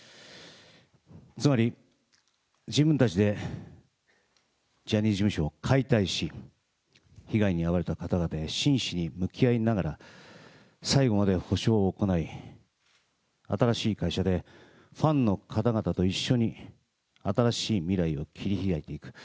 つまり自分たちでジャニーズ事務所を解体し、被害に遭われた方々に真摯に向き合いながら、最後まで補償を行い、新しい会社でファンの方々と一緒に、新しい未来を切り開いていく。